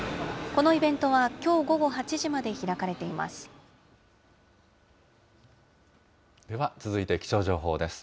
このイベントはきょう午後８時まで開かれています。